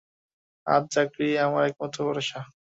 আজ চাকরিই আমার একমাত্র ভরসা।